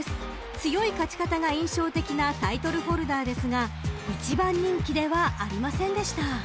［強い勝ち方が印象的なタイトルホルダーですが１番人気ではありませんでした］